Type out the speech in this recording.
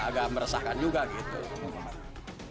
agak meresahkan juga gitu